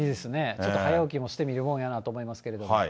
ちょっと早起きもしてみるもんやなと思いますけれども。